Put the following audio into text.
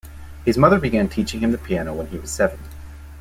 His mother began teaching him the piano when he was seven.